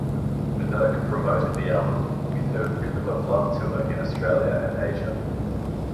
Minogue promoted the album with her Rhythm of Love Tour in Australia and Asia.